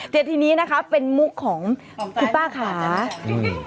แต่ทีนี้นะคะเป็นมุกของคุณป้าขาอืม